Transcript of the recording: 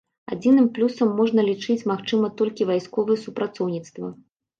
Адзіным плюсам можна лічыць, магчыма, толькі вайсковае супрацоўніцтва.